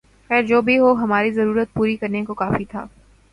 خیر جو بھی ہو ، ہماری ضرورت پوری کرنے کو کافی تھا